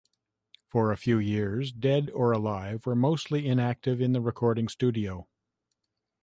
For a few years, Dead or Alive were mostly inactive in the recording studio.